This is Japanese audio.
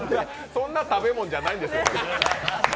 そんな食べ物じゃないんですよ。